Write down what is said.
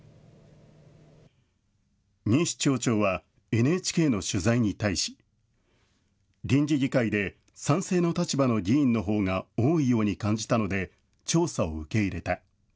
西町長はＮＨＫの取材に対し、臨時議会で賛成の立場の議員のほうが多いように感じたので、調査を受け入れた。